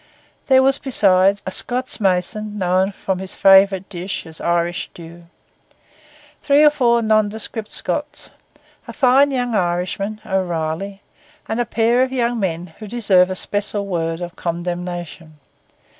There was, besides, a Scots mason, known from his favourite dish as 'Irish Stew,' three or four nondescript Scots, a fine young Irishman, O'Reilly, and a pair of young men who deserve a special word of condemnation.